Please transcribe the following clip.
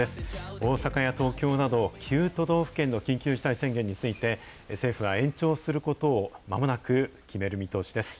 大阪や東京など、９都道府県の緊急事態宣言について、政府は延長することをまもなく決める見通しです。